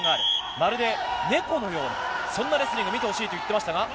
まるで猫のようなそんなレスリングを見てほしいと言っていましたが。